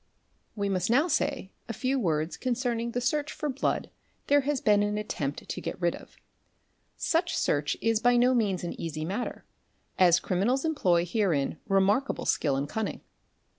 We must now say a few words concerning the search for blood there has been an attempt to get rid of; such search is by no means an easy matter, as criminals employ herein remarkable skill and cunning.